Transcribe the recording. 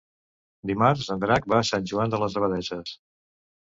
Dimarts en Drac va a Sant Joan de les Abadesses.